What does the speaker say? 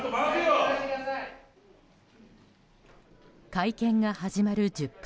会見が始まる１０分